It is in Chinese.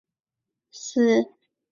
西部群岛。